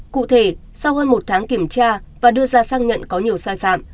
cụ thể sau hơn một tháng kiểm tra và đưa ra xác nhận có nhiều sai phạm